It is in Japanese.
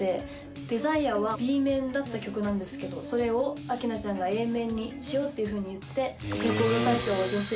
『ＤＥＳＩＲＥ』はＢ面だった曲なんですけどそれを明菜ちゃんがＡ面にしようっていうふうに言ってレコード大賞を女性